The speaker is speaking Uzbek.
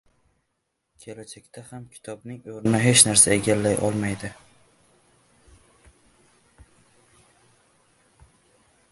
Kelajakda ham kitobning o‘rnini hech narsa egallay olmaydi